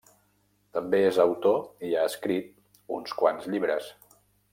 També és autor i ha escrit uns quants llibres.